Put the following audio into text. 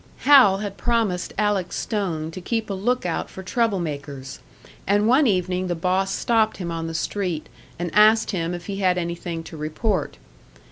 Hal had promised Alec Stone to keep a look out for trouble makers; and one evening the boss stopped him on the street, and asked him if he had anything to report.